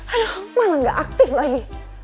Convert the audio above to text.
aduh malah gak aktif lagi